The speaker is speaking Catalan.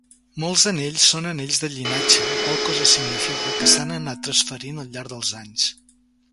Molts anells són anells de "llinatge", la qual cosa significa que s'han anat transferint al llarg dels anys.